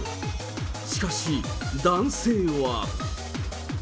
しかし、男性は。